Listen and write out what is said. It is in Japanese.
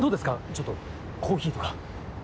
ちょっとコーヒーとか。